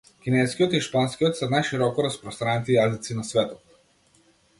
Кинескиот и шпанскиот се најшироко распостранети јазици на светот.